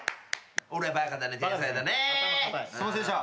すいませんでした。